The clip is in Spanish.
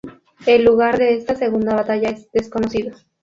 El lugar de esta segunda batalla es desconocido.